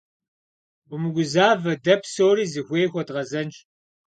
Умыгузавэ, дэ псори зыхуей хуэдгъэзэнщ.